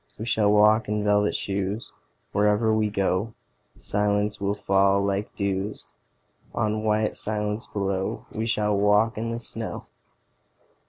We shall walk in velvet shoes: Wherever we go Silence will fall like dews On white silence below. We shall walk in the snow.